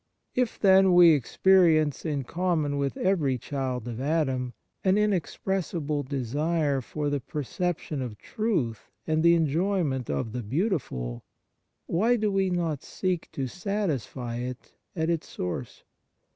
If, then, we experience, in common with every child of Adam, an inexpressible desire for the perception of truth and the enjoyment of the beautiful, why do we not seek to satisfy it at its Source